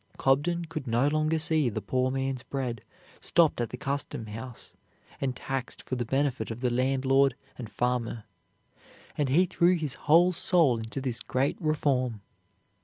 Cobden could no longer see the poor man's bread stopped at the Custom House and taxed for the benefit of the landlord and farmer, and he threw his whole soul into this great reform.